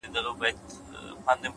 د کړکۍ پر شیشه د لاس نښه ژر ورکه شي؛